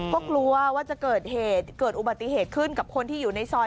ก็กลัวว่าจะเกิดเหตุเกิดอุบัติเหตุขึ้นกับคนที่อยู่ในซอย